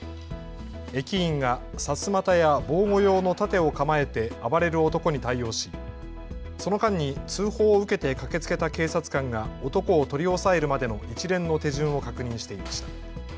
駅員がさすまたや防護用の盾を構えて暴れる男に対応しその間に通報を受けて駆けつけた警察官が男を取り押さえるまでの一連の手順を確認していました。